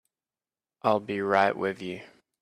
I'll be right with you.